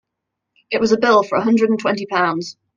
It was a bill for a hundred and twenty pounds.